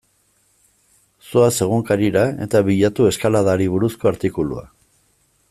Zoaz egunkarira eta bilatu eskaladari buruzko artikulua.